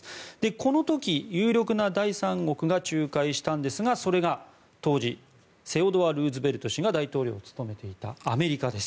この時、有力な第三国が仲介したんですがそれが当時セオドア・ルーズベルト氏が大統領を務めていたアメリカです。